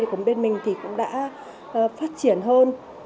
thì bên mình cũng đã phát triển hơn